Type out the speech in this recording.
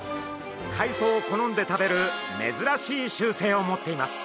海藻を好んで食べる珍しい習性を持っています。